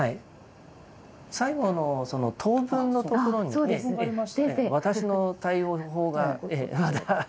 最後の「等分」のところに私の対応法がまだ。